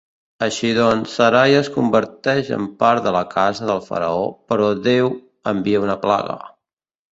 Així doncs, Sarai es converteix en part de "la casa del faraó", però déu envia una plaga.